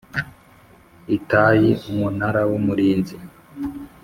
Itayi Umunara w Umurinzi